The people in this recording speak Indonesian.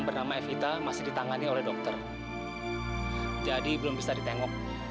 sampai jumpa di video selanjutnya